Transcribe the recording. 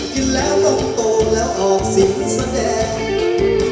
กินแล้วต้องโตแล้วออกสินแสดง